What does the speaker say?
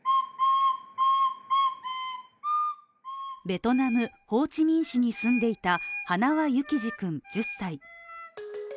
ベトナム・ホーチミン市に住んでいた塙幸士君、１０歳。